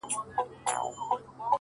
د زړگي غوښي مي د شپې خوراك وي!